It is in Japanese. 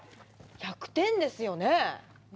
１００点ですよねぇ。